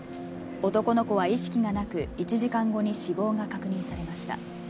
男の子は意識がなく、１時間後に死亡が確認されました。